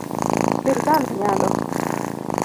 Sirkal nyalo